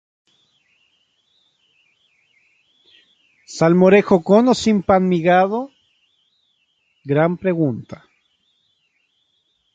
¿Salmorejo con o sin pan migado? Gran pregunta